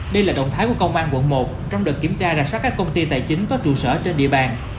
đây là động thái của công an quận một trong đợt kiểm tra rạp sát các công ty tài chính có trụ sở trên địa bàn